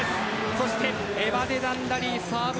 そして、エバデダン・ラリーサーブ